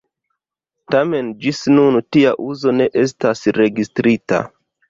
Tamen ĝis nun tia uzo ne estas registrita.